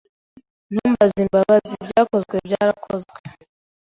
Ntumbaze imbabazi. Ibyakozwe byarakozwe.